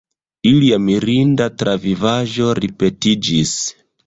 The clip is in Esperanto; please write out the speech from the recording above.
Ilia mirinda travivaĵo ripetiĝis.